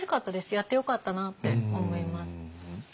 やってよかったなって思います。